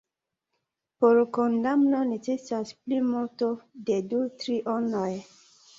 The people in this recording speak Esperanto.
Por kondamno necesas plimulto de du trionoj.